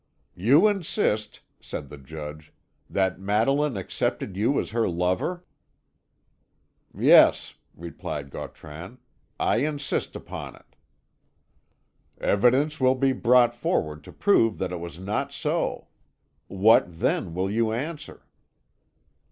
"You insist," said the judge, "that Madeline accepted you as her lover?" "Yes," replied Gautran, "I insist upon it." "Evidence will be brought forward to prove that it was not so. What, then, will you answer?"